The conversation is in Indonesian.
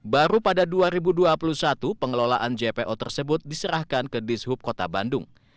baru pada dua ribu dua puluh satu pengelolaan jpo tersebut diserahkan ke dishub kota bandung